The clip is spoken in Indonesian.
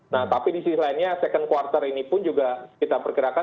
nah tapi di sisi lainnya second quarter ini pun juga kita perkirakan